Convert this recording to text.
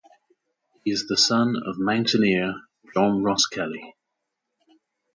He is the son of mountaineer John Roskelley.